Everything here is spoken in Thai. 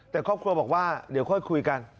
แต่ครอบครัวบอกว่าเดี๋ยวค่อยคุยกัน